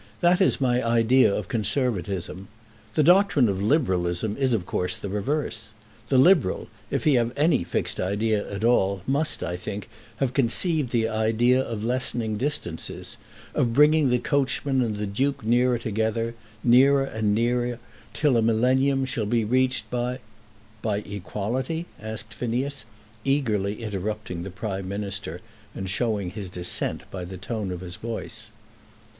That is my idea of Conservatism. The doctrine of Liberalism is, of course, the reverse. The Liberal, if he have any fixed idea at all, must, I think, have conceived the idea of lessening distances, of bringing the coachman and the duke nearer together, nearer and nearer, till a millennium shall be reached by " "By equality?" asked Phineas, eagerly interrupting the Prime Minister, and showing his dissent by the tone of his voice.